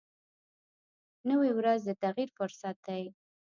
نوې ورځ د تغیر فرصت دی